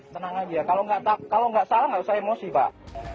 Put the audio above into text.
tenang aja kalau nggak salah nggak usah emosi pak